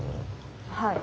はい。